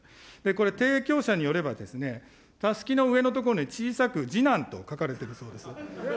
これ、提供者によれば、たすきの上のところに、小さく次男と書かれているそうです。